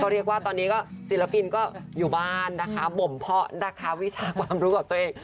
เรียกว่าตอนนี้ก็ศิลปินก็อยู่บ้านนะคะบ่มเพาะนะคะวิชาความรู้กับตัวเอง